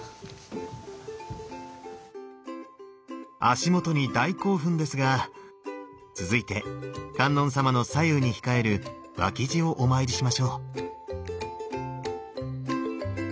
足元に大興奮ですが続いて観音様の左右に控える脇侍をお参りしましょう。